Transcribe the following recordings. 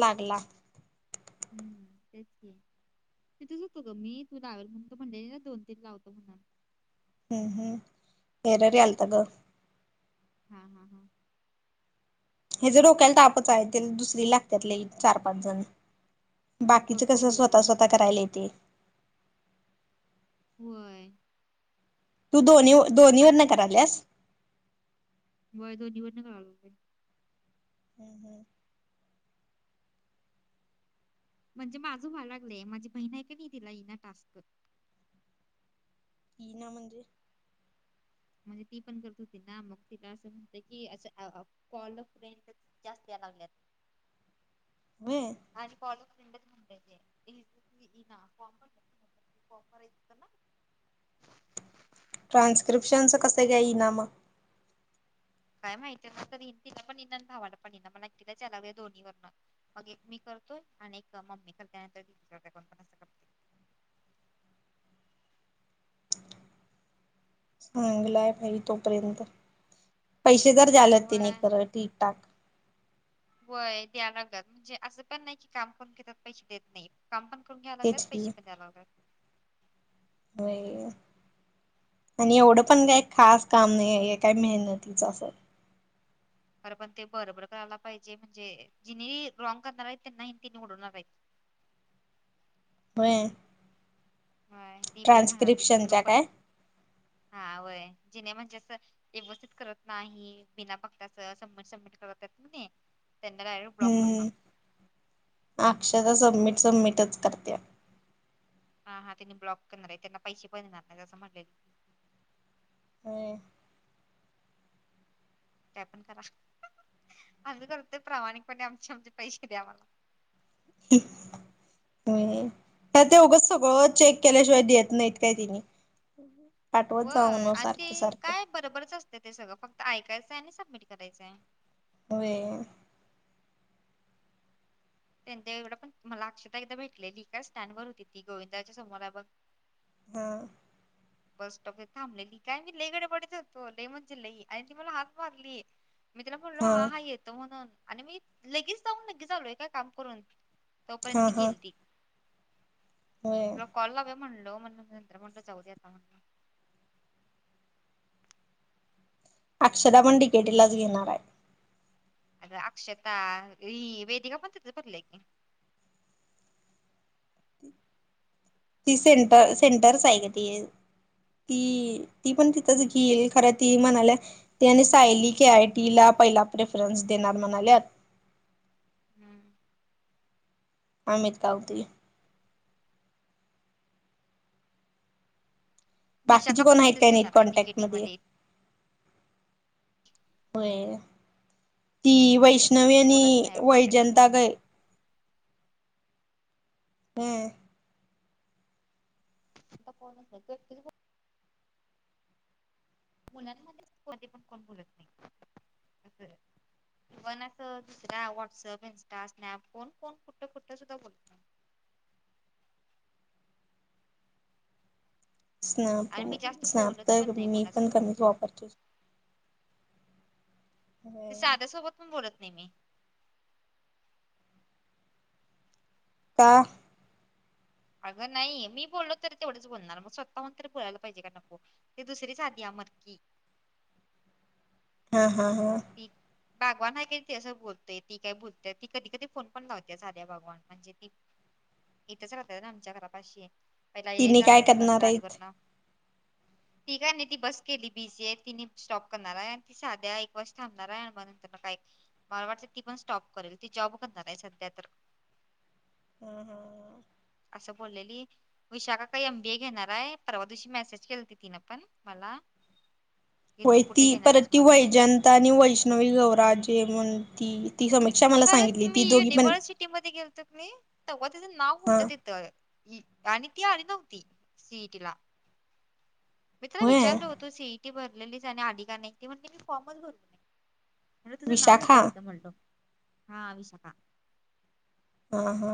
लागला हम्म तेच की तिथच होतो ग मी तू लावेल म्हणून म्हटले ना दोन तीन लावतो म्हणून हम् हम् पेररी आलतं ग हा हा हा हे जर डोक्याला तापच आहे ते दुसरी लागत्यात लई चार पाच जण बघ बाकीचं की कस बहिणा स्वतः स्वतः करायला येते व्हय दोन्ही दोन्हीवर आता न करायल्यास. वाय दोन्हीवरण करायला. हम्म हम्म म्हणजे माझं व्हाय लागलंय माझी बहिण आहे की नाही तिला येईना टास्क. येईना म्हणजे? म्हणजे ती पण करत होती ना मग तिला असं म्हणतं की अस कॉल अ फ्रेंड जास्त द्या लागल्यात. बे. आणि कॉल ए फ्रेंडच म्हणतंय ते, इंग्लिश मध्ये इना ऑफर आहेत त्याला. ह [inaudible] ट्रान्स्क्रिप्शनचं कसं येईना मग. काय माहितीय नंतरनं तिला पण येईना भावाला पण येईना मला एकटीलाच यायलय दोन्ही वरणं. मग एक मी करतोय आणि एक मम्मी करते नंतर कोण पण असं करते. चांगलंय भाई तोपर्यंत पैसे तर झाल तेने व्हय खरं ठीक. व्हय द्या लावत्यात म्हणजे असं पण नाही की काम करून घेतात पैसे देत नाहीत. काम पण करून द्याय लागल्यात, तेच की पैसे पण द्याय लागल्यात. होय. आणि एवढं पण काही खास काम नाहीये हे काय मेहनतीच असं. खरं पण ते बरोबर करायला पाहिजे, म्हणजे जिनी रॉंग करणार आहेत त्यांनाही तिनी उडवणार आहेत. व्हये. हय, ती बाई म्हणालती की ट्रान्स्क्रिप्शनच्या ग्रुपर, काय हा व्हय, जिने म्हणजे अस व्यवस्थित करत नाही बिना बक्ता शब्द, सबमिट करत आहेत की नाही त्यांना डाय हम्म, अक्षदा सबमिट, सबमिटच करत्या. हा, हा, त्यांनी ब्लॉक करणारे त्यांना पैसे पण येणार नाही असं म्हटले होय. काय पण करा, आम्ही करतोय प्रामाणिकपणे आमचे आमचे पैसे द्या आम्हाला. [inaudible] व्हय, त्यात ते उघच सगळ चेक केल्याशिवाय देत नाहीत काय नाहीत. पाठवत व जावा म्हणावं, आणि ते सारखं सारखं. काय बरोबरच असते ते सगळं, फक्त ऐकायंचय आणि सबमिट करायचंय. होय. त्यांच्या एवढं पण, मला अक्षता एकदा भेटलेली काय स्टँड वर होती ती गोविंदरावच्या समोर हाय बघ. हा. बस स्टॉप वर येऊन थांबलेली काय, मी लेई गडबडीत होतो लई म्हणजे लई आणि ती मला हाक मारली. मी तिला म्हणलो हा हा येतो म्हणून, आणि मी लगेच जाऊन लगेच आलोय काय काम करून. तोपर्यंत ती गेलती. होय‌. तुला कॉल लावूया म्हणलो, मग नंतर म्हणलं जाऊदे आता म्हणलो. अक्षता पण डी. के. टी. लाच घेणाराय. अग अक्षता, अग ही वेदिका पण तिथंच भरल्या की. ती सेंटर, सेंटरच हाय ग ती. ती, ती पण तिथंच घेईल खर ती म्हणाल्या ती आणि सायली के. आय. टी. ला पहिला प्रेफरन्स देणार म्हणाल्यात हम्म. अमित काऊती. बाकीचे विशाखा पण कोण आहेत तिथेच काय नाहीत, घेणार आहे कॉन्टॅक्ट डीकेटी मध्ये होय, ती वैष्णवी कोणच आणि नाही कॉन्टॅक्ट वैजंता कोण नाही गाय हम्म. [unintelligible] पुण्यानंमध्ये कधी पण कोण बोलत नाही. [inaudible] म्हणत अ, दुसऱ्या व्हॉट्सअप, इंस्टा, स्नॅप, कोण कोण, कुठं कुठं, सुद्धा बोलत. स्नॅप, आणि मी जास्त स्नॅप बोलत तर पण नाही मी पण कोणासोबत कमीच वापरतोय. हो. ते शारदा सोबत पण बोलत नाही मी. का. अगं नाही मी बोललो तरी तेवढंच बोलणार मग स्वतःहून तरी बोलायला पाहिजे का नको? ते दुसरीच आधी आ मरकी हा हा हा. की. बागवान आहे की तीच्या सोबत बोलतोय, ती काय बोलत्या ती कधी कधी फोन पण लावत्या सादीया बागवान म्हणजे ती [inaudible] इथंच राहताय ना आमच्या घरापाशी, पहिला ये तिने जा काय करत होतत करणार आहेत? गाडीवरनं. ती काय निधी ती बस केली बीजीऐ, ति नीट स्टॉप करणाराय आणि ती सादीया एक वर्ष थांबणार आहे आणि मगर काय मला वाटत ती पण स्टॉप करेल ती जॉब करणार आहे सध्या तर [inaudible] असं बोललेली विशाखा काही एम बी ए घेणार आहे परवा दिवशी मेसेज केली होती तिनं पण मला, की होय तू ती कुठे घेणार परत आहेस ती म्हणून वयजन त्यां आणि वैष्णवी गवराजे म्हण त ती समीक्षा मला सांगितली खरं मी ती दोघी पण युनिव्हर्सिटी मध्ये गेलतो तेघ्हा त्याचं नाव हा होतं तिथं- आणिन ती आली नव्हती सी ई टी ला मी तला होय विचारल होतो सीईटी भरलेलीच आणि आली का नाही त म्हणते मी फॉर्मच भरव नय म्हटल तुझं नाव होत विशाखा तिथं म्हटलहा अ विशाखा. हा हा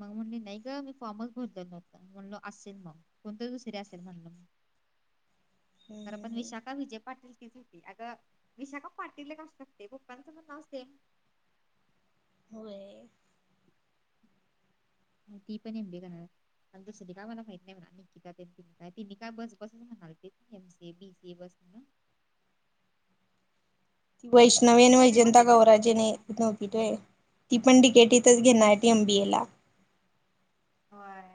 मग म्हणली नाही का मी फॉर्मच भरलेलं नव्हतं म्हणलो असेल मग कोणत दुसर असेल म्हणल म. [inaudible] खर पण होय विशाखा विजे पाटील ती होती. [inaudible] अगं विशाखा पाटील कास लागते बप्पांचं मण नाव सेम होय ती पण एम बी ए करणार आहे. आणि दुसरी काय मला माहित नाही म्हणा निकितािय तिन काय बस बसच म्हणाली एम सी बीसी बस म्हण वैष्णवि आणि स्टेपी पण वैजयता तिथेच घेतल्या गौराजेने की नव्हतीय ती पण तिकेट इथच घेणार टी एमबीए ला होय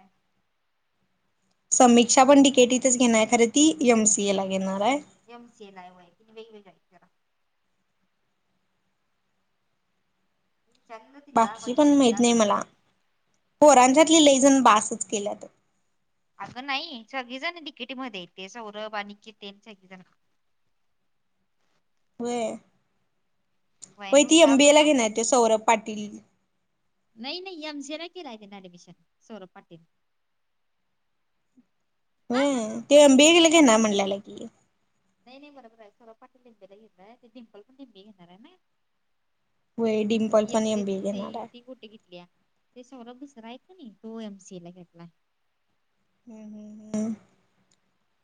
समीक्षा पण तिकेटीतच घेणार आहे खरे ती एम सी ए ला घेणार आहे एम सी ए लायव आहे वेगवेगळ्या करा विचारलेलो तिला बाकीची पण माहित वैष्णवीला नाही गं मला पोरांच्यातली लैजन बसच केल्यात अगं नाही सगळीजण तिकेटी म तेे सौरभ आणि के सगळीजण वय व्हय पै मी ती एमबीए विचारलो ला ना घेणार त्यानी. ते सौरभ पाटील नाही नाही ए सी ए ला केलय एडमिशन सौरभ पाटील. हा हा व्हय. हा ते एम पाटील बी ए ला केलाय घेणार ते म्हणल दुस कि, नाही नाही मला सोरापपाटी लिंबीलाेणारय तेडिमपल पण लिबी घणार आहे ना व्हय डिंपल पण एमसीची एमबीए घेणार सीटी हाय कुठे घेतली ते सगर दुसर आहे का नाही तो एमसी ला घेतला हम् हम् हम्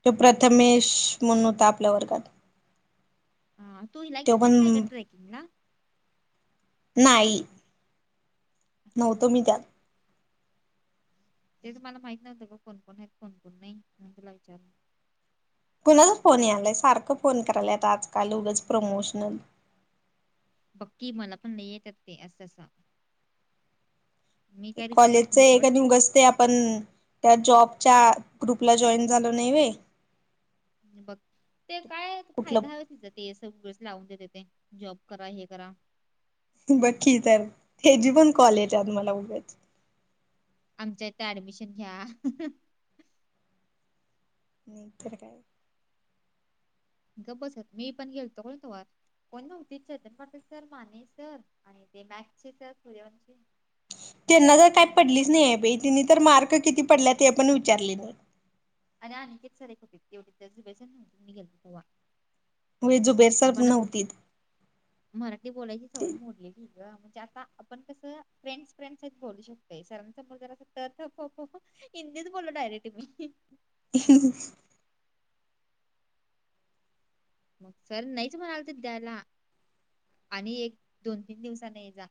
तो प्रथमेश म्हण होता आपल्या वर्गात हा तू ह त्यो लागेल पण तेस काय घट ट्रॅकिंग ला नाही हा नव्हतो हा मी त्यातं ते तुम्हाला माहित नव्हतं का कोणकोण हायीत कोणकोण नाही म्हणून तुला विचार कुणाचा फोन यालाय? सारखं फोन करायल आजकाल उगच प्रमोशनल बघ की मला पण नाही येत्यात ते असं असं मी काय रिसिव्ह करत कॉलेजचं नाही एक सोड आणि उगाच ते आप पण त्या जॉबच्या ग्रुपला जॉईन झालो नाय व्हय बघ ते काय फायदा कुठलं हाय व्हय तिच्यात? ते सगळे लावून देत्याते जॉब करा हे करा बघ की तर ह्याची पण कॉलेजात मला उगच आमच्या इथे ऍडमिशन घ्या? नाही तर काय? गप बसत मी पण गेलतो को तवा कोण नव्हती चेतन पाटील सर माने सर आणि ते मॅथचे तर सुर्यवंशी त्यांना जर काही पडलीच नायी बाई त्यांनी तर मार्क किती पडल्यात ते पण विचारले नायी आनिकेत सर एक होते तेवढी तरुबेस [unintelligible] [inaudible] निघेल तेव्हा वे झुबेर सर आम्हाला नव्हतीत मराठी बोलायची सवय मोडली ग म्हणजे आता आपण कसं फ्रेंड्स फ्रेंडसच बोलू शकतोय सरांसमोर जरास त त प प हिंदीच बोलु डायरेक्ट मी ह् [inaudible] मग सर नाहीच म्हणाले होते द्यायला आणि एक दोन तीन दिवसाने ये जा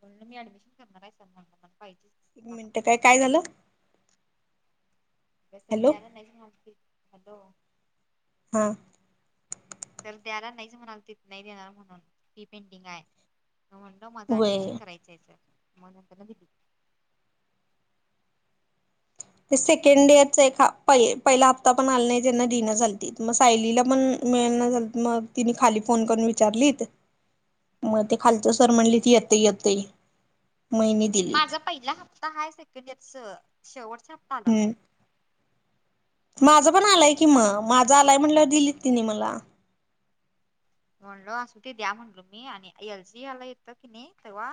म्हणून मी ऍडमिशन करणारय सर मला पाहिजेच दाखला मिनिटं काय झालं? बस हॅलो तेला नाहीच मा [unintelligible] हॅलो हां सर द्यायला नाहीच म्हणत होते नाही देणार म्हणून ही पेंडिंग हाय म्हणून [unintelligible] सर माझं होय ऍडमिशन करायचंय सर, मग नंतरन दिली ते सेकेंडइअरच एक पहिला हप्ता पण आला त्यांना दिणं झालती मग सायलीला पण मिळणा झाल मग तिनी खाली फोन करून विचारलीत मग ते खालचं सर म्हणली ती येतय येतय म हिनी दिलीत माझा पहिला हप्ता हाय सेकंड इयरचं शेवटचा हप्ता आला नायी हम्म माझं पण आलंय की म माझं आलाय म्हटल्यावर दिलीत तिनी मला म्हणलो असू ते द्या म्हणलो मी आणि एलसी आला येतं की नायी तव्हा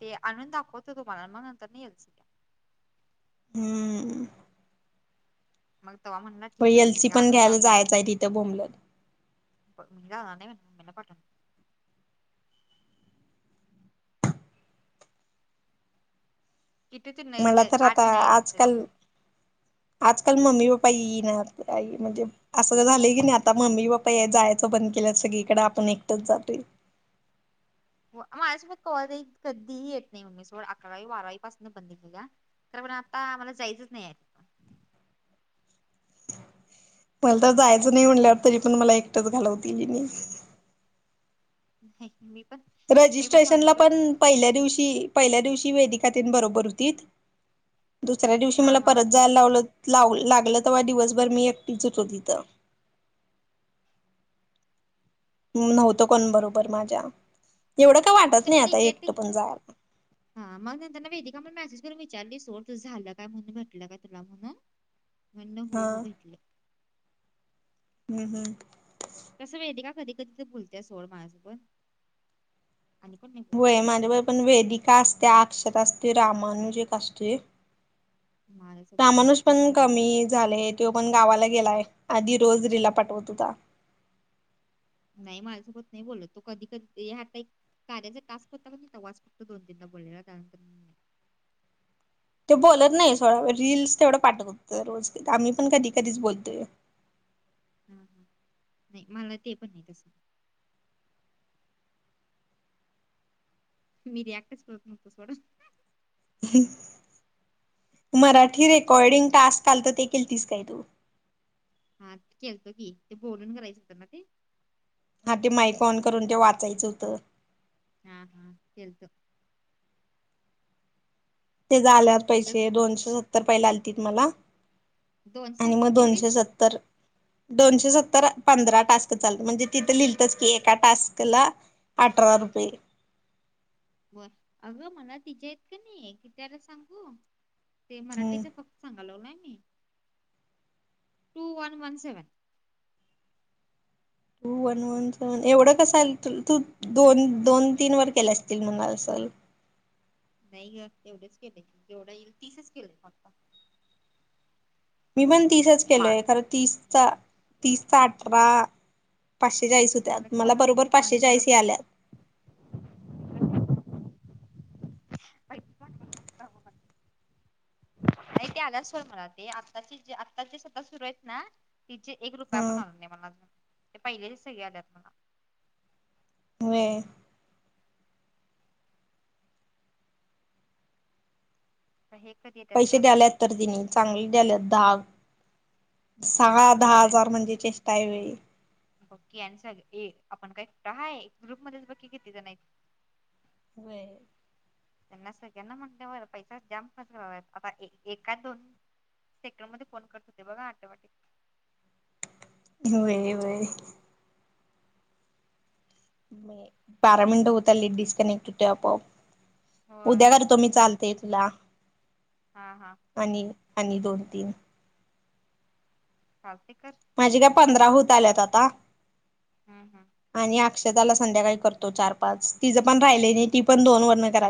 ते आणुन दाखवतो तुम्हाला मग नंतरन येईलच हम्म मग तवा म्हणलं हो एलसी पण घ्यायला पण जायचाय तिथं बोंबलत पज्या [unintelligible] आणि मम्मी पाठव किती ते नाही मला ते तर आता आठ नाही आहे तिथं आजकाल की आजकाल मम्मी पप्पा येई नात म् [unintelligible] हणजे असं झालंय की नाय आता मम्मी पप्पा जायाचं बंद केलं सगळीकडं आपण एकटंच जातोय हो माझ्यासोबत कॉल कधीही येत नाही मम्मी सोबत अकरावी बारावी पासनं पाहते मी तिला तर पण आता आम्हाला जायचंच नाहीय मला तर जायचं नाही म्हटल्यावर तरी पण मला एकटंच घालवती कि नाही नाही मी पण मी पण रजिस्ट्रेशनला म्हणलेलो पण पहिल्या दिवशी पहिल्या दिवशी वेदीका तीन बरोबर होतीत दुसऱ्या दिवशी हा मला हा परत जायला लावलं लाव लागलं तेव्हा दिवसभर मी एकटीच होतो तिथं नव्हतं कोण बरोबर माझ्या एवढं काय वाटत नाही आता एकटं पण जायला हा मग नंतर ना वेदिका मला मेसेज करून विचारली सोर तुझं झालं काय म्हणून म्हटलं का तुला म्हणून ह म्हणण हो हो भेटलं हम्म तसं वेते का कधी कधी तर बुोलतय सोड माझ्यासोबत आणि कोण बोलत वय माझ्या व पण वेदिका असते अक्षर असते रामानुजिक असते माझ्यासोबत नाही कोण नाही बोल झाले तो पण गावाला गेलाय आधी रोज रिला पाठवत होता नाही माझ्यासोबत नाही बोलत तो कधी कधी हाता एक कार्याचा टास्क होता काण तवास फक्त दोन तीनदा बोललेला त्यानंतर ते बोलत नाही सोड रीलस तेवढं पाठत होतं रोज आम्ही पण कधी कधीच बोलतोय नाही मला ते पण नाही तसं मर याॲक्टस करतम तो सोड मराठी रेकॉर्डिंग टास्क चालतील तीस काय तू हा खळतो की ते बोलून करायचंत ना ते हा ते माइक ऑन करून ते वाचायचं होतं हा हा तेलतो ते आल्यात सगळं पैसे दोनशे सत्तर पहिले आलेतील मला दोन आणि स्वयंपाक मग दोनशे तेवढीच सत्तर दोनशे सत्तर पंधरा टास्क चालत म्हणजे तिथं लिहतच की एका टास्क ला अठरा रुपये बर अगं मला तिचा इतक नाही की तकिती आलं सांगू ते हम्म मराठीच फक्त सांगा लावलाय मी two one one seven two one one seven एवढं कसं आल तू दोन दोन तीन वर केल्या असतील म्हणाल सल नाही ग तेवढेच केलेय जेवढा येईल तिसच केलंय पप्पा मी पण तीसच मला केलोय खरं तीसचा तीसचा अठरा पाचशे चाळीस होत्या का मला वाटायला बरोबर लागले पाचशे माझं जरा चाळीसी आल्यात पै नाही ते आल्याच होय मला ते आताचेे आत्ताचे स्वतः सुरू आहेत ना तिचे एक रुपया हा पण आला नाही मला ते पहिलेले सगळे आल्यात मला वे हे कधी येतात पैसे काय द्याले माहिती आहेत तर तिने चांगले द्यालात धाग सहा दहा हजार म्हणजे चेष्टाई व्हाय बक्की आणि सग आपण कायहाय ग्रुप मध्येच बक्की किती जण आहेत वर त्यांना सगळ्यांना म्हणल्या पैसा जाम [unintelligible] व आता एका दोन सेकड म फोन करत होते बघा टोमॅटिक वर वर बारा मिनिटं होत आली डिस्कनेक्ट होते आपोआप उद्या होय कर तो म्ही चालत तेला हा हा आणि आणि दोन तीन चालते कर माझी काय पंधरा होत आल्यात आता हम् हम आणि अक्षताला संध्याकाळी करतो चार पाच तिजं पण राहिलं नाही ती पण दोन वर्ण करा